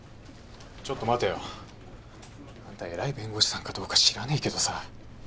ちょっと待てよ。あんた偉い弁護士さんかどうか知らねえけどさ。